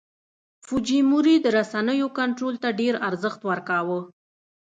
فوجیموري د رسنیو کنټرول ته ډېر ارزښت ورکاوه.